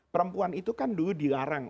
perempuan itu kan dulu dilarang